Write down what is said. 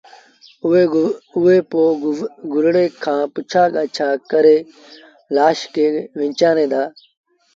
ائيٚݩ پو گُرڙي کآݩ پڇآ ڳآڇآ ڪري لآش کي وينچآرين دآ